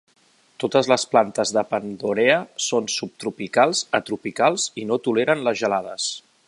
Totes les plantes de "Pandorea" són subtropicals a tropicals i no toleren les gelades.